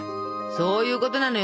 そういうことなのよ